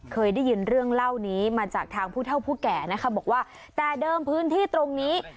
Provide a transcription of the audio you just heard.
เคยได้ยินเรื่องเล่านี้มาจากทางผู้เท่าผู้แก่นะคะบอกว่าแต่เดิมพื้นที่ตรงนี้